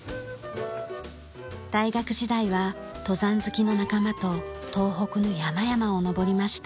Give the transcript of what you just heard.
大学時代は登山好きの仲間と東北の山々を登りました。